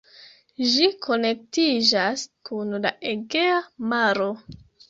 Ĝi konektiĝas kun la Egea maro.